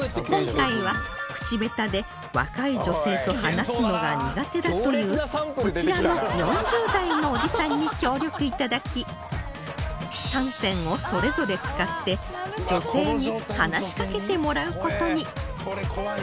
今回は口下手で若い女性と話すのが苦手だというこちらの４０代のおじさんに協力頂き３選をそれぞれ使って女性に話しかけてもらう事に